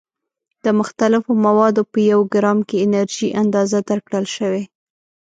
د مختلفو موادو په یو ګرام کې انرژي اندازه درکړل شوې.